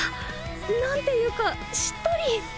何ていうかしっとり！